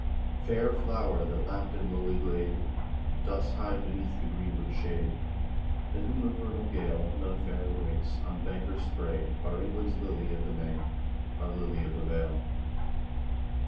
Fair flower, that, lapt in lowly glade, Dost hide beneath the greenwood shade, Than whom the vernal gale None fairer wakes, on bank or spray Our England's lily, of the May, Our lily of the vale!